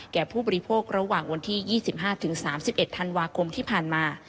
ผู้บริโภคระหว่างวันที่๒๕๓๑ธันวาคมที่ผ่านมา